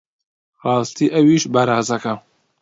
ڕاستی ئەویش بەرازەکە!